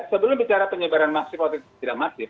sebelum bicara penyebaran masif atau tidak masif